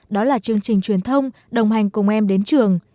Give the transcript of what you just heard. đó là chương trình truyền thông đồng hành cùng em đến trường